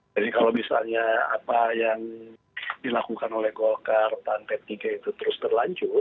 jadi kalau misalnya apa yang dilakukan oleh golkar tentang p tiga itu terus berlanjut